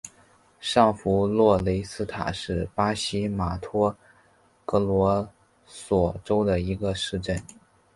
上弗洛雷斯塔是巴西马托格罗索州的一个市镇。